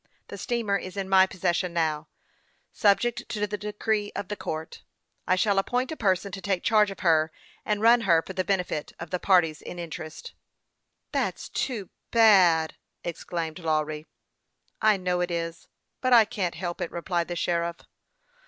The steamer is in my possession now, subject to the decree of the court. I shall ap point a person as keeper to take charge of her, and run her for the benefit of the parties in interest." " That's too bad !" exclaimed Lawry. " I know it is ; but I can't help it," replied the sheriff.